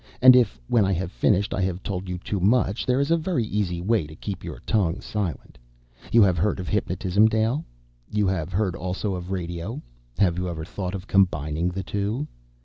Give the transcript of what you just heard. And if, when I have finished, I have told you too much, there is a very easy way to keep your tongue silent. You have heard of hypnotism, Dale? You have heard also of radio? Have you ever thought of combining the two?"